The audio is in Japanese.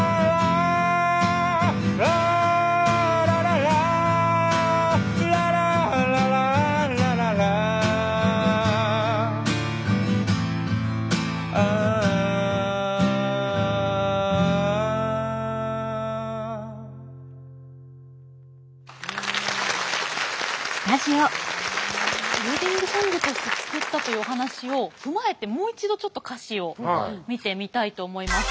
ウエディングソングとして作ったというお話を踏まえてもう一度ちょっと歌詞を見てみたいと思います。